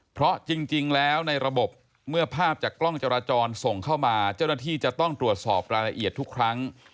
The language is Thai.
เพราะจริงแล้วในระบบเมื่อภาพจากกล้องจราจรส่งเข้ามาเจ้าหน้าที่จะต้องตรวจสอบรายละเอียดทุกครั้ง